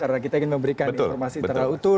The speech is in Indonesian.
karena kita ingin memberikan informasi terutuh